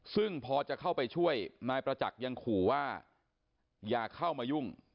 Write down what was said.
ซึ่งพอจะเข้าไปช่วยนายประจักษ์ยังขู่ว่าอย่าเข้ามายุ่ง